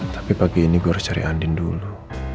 tapi pagi ini gue harus cari andin dulu